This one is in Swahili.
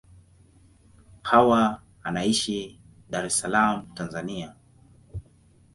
Hawa anaishi Dar es Salaam, Tanzania.